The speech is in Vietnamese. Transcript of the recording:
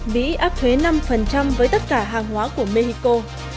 mỹ áp thuế năm với tất cả hàng hóa của mexico